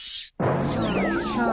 そっそう。